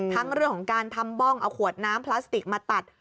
ทั้งเรื่องของการทำบ้องเอาขวดน้ำพลาสติกมาตัด